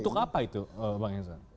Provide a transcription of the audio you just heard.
untuk apa itu bang ensan